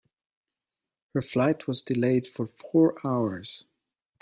Her flight was delayed for four hours.